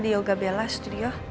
di yoga bela studio